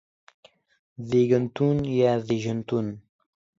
زيږنتون يا زيژنتون